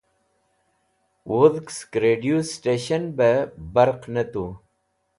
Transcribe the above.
Wudhg Sẽk Radio Station be Barq ne Tu